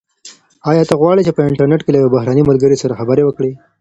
ایا ته غواړې چي په انټرنیټ کي له یو بهرني ملګري سره خبرې وکړې؟